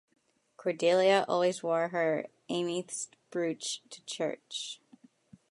Cordelia always wore her amethyst brooch to church.